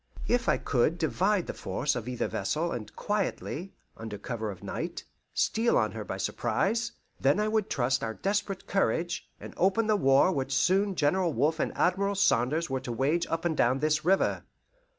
If I could divide the force of either vessel, and quietly, under cover of night, steal on her by surprise, then I would trust our desperate courage, and open the war which soon General Wolfe and Admiral Saunders were to wage up and down this river.